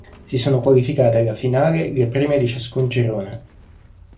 Si sono qualificate alla finale le prime di ciascun girone.